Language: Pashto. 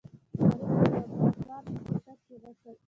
شريف لابراتوار ته په تګ کې غږ کړ.